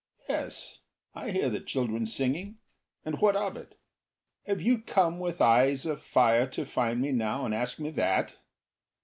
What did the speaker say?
Yes, I hear the children singing and what of it? Have you come with eyes afire to find me now and ask me that?